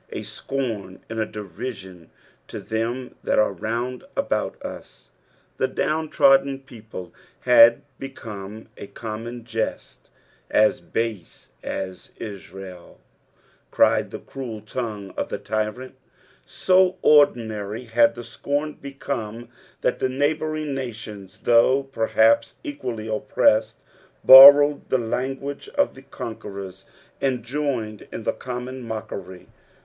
"A worn and a deriaon to thtm that ar« rovnd about vj." The down trodden people had became a com mon jest ;" as base as Israel " cried tbe cruel tongue of tbe tyrant r so ordinary had the scorn become that the neighbouring nations, though perhaps equally oppressed, borrowed the language of the conquerors, aad joined in the common mockery.